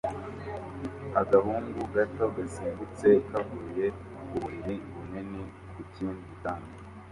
Agahungu gato gasimbutse kavuye ku buriri bunini ku kindi gitanda